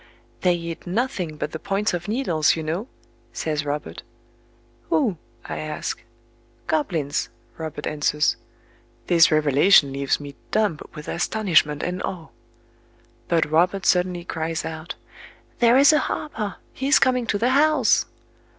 "They eat nothing but the points of needles, you know," says Robert. "Who?" I ask. "Goblins," Robert answers. This revelation leaves me dumb with astonishment and awe... But Robert suddenly cries out:— "There is a Harper!—he is coming to the house!"